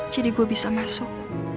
jadi gue bisa masuk